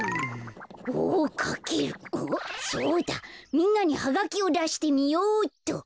みんなにハガキをだしてみよっと。